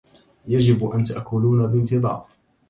يجب ان تأكلون بانتظام